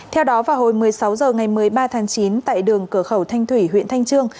theo đó vào hồi một mươi sáu h ngày một mươi ba tháng chín tại đường cửa khẩu thanh thủy huyện thanh trương